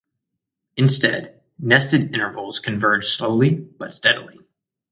Instead, nested intervals converge slowly but steadily.